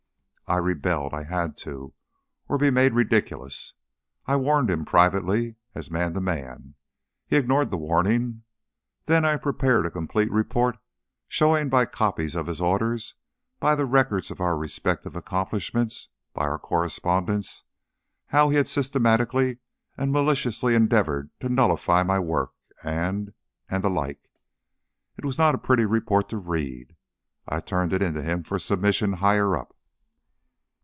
"I rebelled. I had to, or be made ridiculous. I warned him, privately, as man to man. He ignored the warning. Then I prepared a complete report showing by the copies of his orders, by the records of our respective accomplishments, by our correspondence, how he had systematically and maliciously endeavored to nullify my work and and the like. It was not a pretty report to read. I turned it in to him for submission higher up.